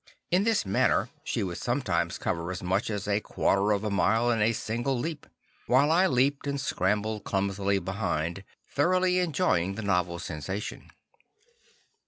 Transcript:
In this manner she would sometimes cover as much as a quarter of a mile in a single leap, while I leaped and scrambled clumsily behind, thoroughly enjoying the novel sensation.